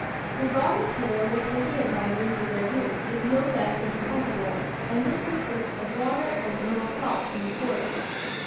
The raw material they take in by means of their roots is no less indispensable, and this consists of water and mineral salts from the soil.